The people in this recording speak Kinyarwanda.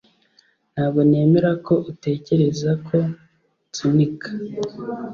Ntabwo nemera ko utekereza ko nsunika